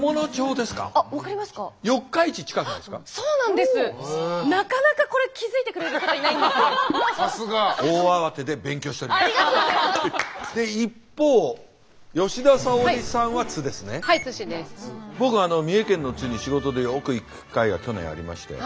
で一方僕三重県の津に仕事でよく行く機会が去年ありまして。